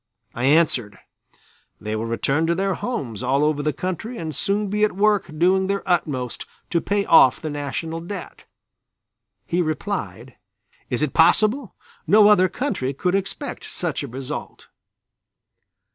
I answered: "They will return to their homes all over the country and soon be at work doing their utmost to pay off the national debt." He replied: "Is it possible! No other country could expect such a result."